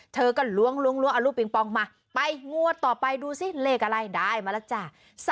เธอก็ล้วงเอาลูกปิงปองมาไปงวดต่อไปดูสิเลขอะไรได้มาแล้วจ้ะ